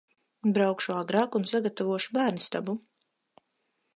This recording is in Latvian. Braukšu agrāk un sagatavošu bērnistabu.